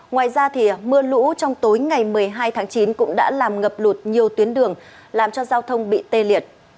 ngoài ra mưa lũ trong tối ngày một mươi hai tháng chín cũng đã làm ngập lụt nhiều tuyến đường làm cho giao thông bị tê liệt